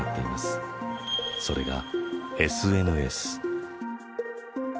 それがＳＮＳ。